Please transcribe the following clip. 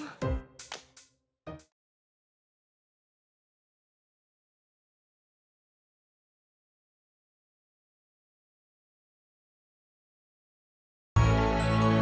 gak usah kesana kesana kali